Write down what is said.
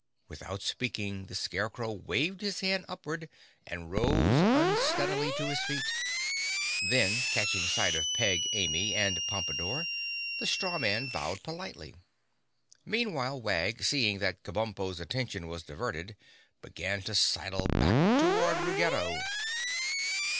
Without speaking, the Scarecrow waved his hand upward and rose unsteadily to his feet. Then, catching sight of Peg Amy and Pompadore, the Straw Man bowed politely. Meanwhile Wag, seeing that Kabumpo's attention was diverted, began to sidle back toward Ruggedo.